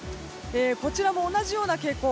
こちらも同じような傾向。